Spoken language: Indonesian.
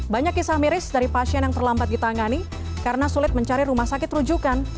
banyak kisah miris dari pasien yang terlambat ditangani karena sulit mencari rumah sakit rujukan